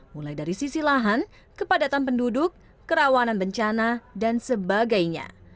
mulai dari sisi lahan kepadatan penduduk kerawanan bencana dan sebagainya